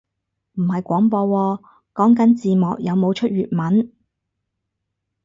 唔係廣播喎，講緊字幕有冇出粵文